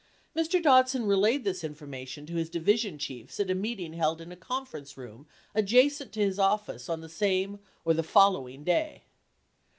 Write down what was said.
Mr. Dodson relayed this infor mation to his division chiefs at a meeting held in a conference room adjacent to his office on the same or the following day.